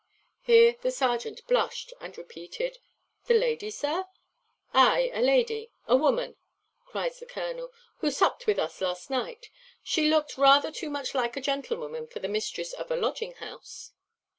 Here the serjeant blushed, and repeated, "The lady, sir?" "Ay, a lady, a woman," cries the colonel, "who supped with us last night. She looked rather too much like a gentlewoman for the mistress of a lodging house."